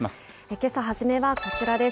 けさ初めはこちらです。